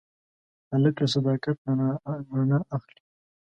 هلک له صداقت نه رڼا اخلي.